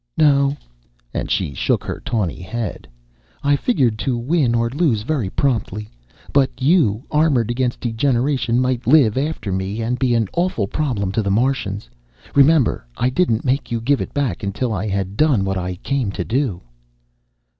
"No," and she shook her tawny head. "I figured to win or lose very promptly. But you, armored against degeneration, might live after me and be an awful problem to the Martians. Remember, I didn't make you give it back until I had done what I came to do."